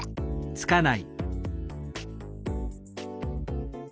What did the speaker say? つかない。